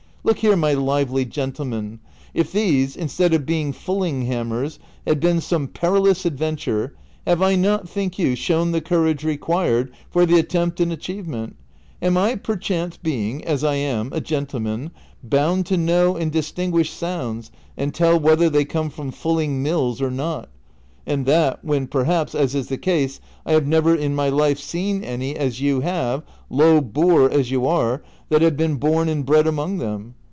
" Look here, my lively gentleman, if these, instead of being fulling hammers, had been some perilous adventure, have I not, think yoii, shown the courage required for the at tempt and achievement ? Am I, perchance, bemg, as I am, a gentleman, bound to know and distinguish sounds and tell whether they come from fulling mills or not ; and that, when perhaps, as is the case, I have never in my life seen any as you have, low boor as you are, that have been born and bred among them